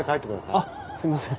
あっすいません。